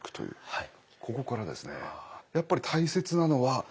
はい。